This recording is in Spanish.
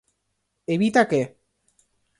Evita que